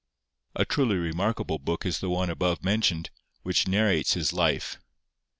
A truly remarkable book is the one above mentioned, which narrates his life.